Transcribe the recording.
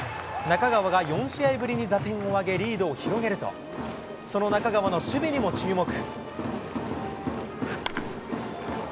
中川が４試合ぶりに打点を挙げ、リードを広げると、その中川の守備にも注目。